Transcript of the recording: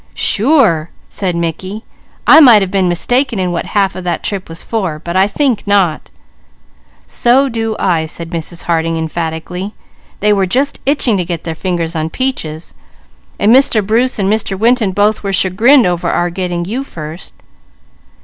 "Sure!" said Mickey. "I might have been mistaken in what half of that trip was for, but I think not." "So do I," said Mrs. Harding emphatically. "They were just itching to get their fingers on Peaches; while Bruce and Mr. Winton both were chagrined over our getting you first."